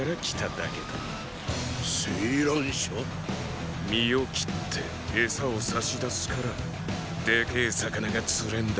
井闌車⁉身を切ってエサを差し出すからでけェ魚が釣れんだろうが。